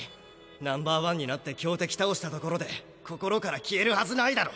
Ｎｏ．１になって強敵倒したところで心から消えるハズないだろ。